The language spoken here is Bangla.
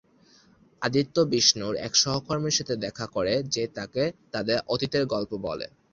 আদিত্য বিষ্ণুর এক সহকর্মীর সাথে দেখা করে যে তাকে তাদের অতীতের গল্প বলে।